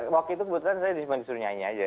waktu itu kebetulan saya disuruh nyanyi aja